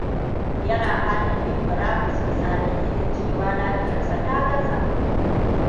Yana fatan yin murabus bisa dalilan cewa lafiyarsa ta gaza.